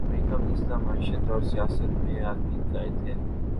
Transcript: امریکہ بدستور معیشت اور سیاست میں عالمی قائد ہے۔